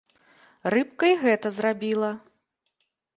Рыбка і гэта зрабіла.